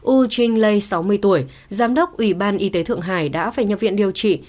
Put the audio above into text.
u trinh lê sáu mươi tuổi giám đốc ủy ban y tế thượng hải đã phải nhập viện điều trị